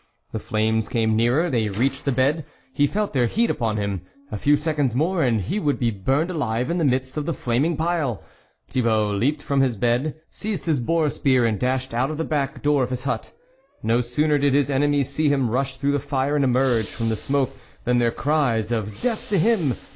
The flames came nearer, they reached the bed, he felt their heat upon him ; a few seconds more and he would be burned alive in the midst of the flaming pile. Thibault leaped from his bed, seized his boar spear, and dashed out of the back door of his hut. No sooner did his enemies see him rush through the fire and emerge from the smoke than their cries of "death to him!"